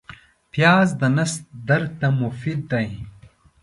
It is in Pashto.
پیاز د نس درد ته مفید دی